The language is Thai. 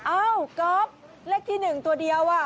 เอ้าก๊อฟเลขที่๑ตัวเดียวอ่ะ